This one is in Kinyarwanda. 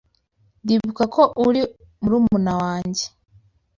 Ndibuka ko uri murumuna wanjye.